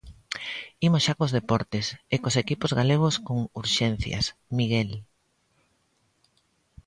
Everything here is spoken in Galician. Imos xa cos deportes, e cos equipos galegos con urxencias, Miguel.